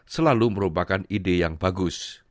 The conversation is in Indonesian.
selalu merupakan ide yang bagus